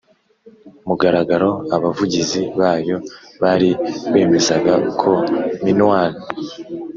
mugaragaro. abavugizi bayo bari bemezaga ko minuar